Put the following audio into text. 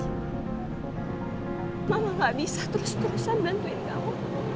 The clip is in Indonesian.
hai mama nggak bisa terus terusan nanti kau